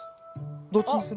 どっちにする？